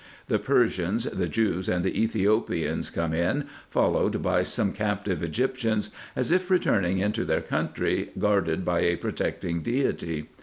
The Persians, the Jews, and the Ethiopians, come in, followed by some captive Egyptians, as if returning into their country, guarded by a protecting deity.